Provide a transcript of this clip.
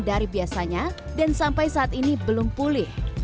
dari biasanya dan sampai saat ini belum pulih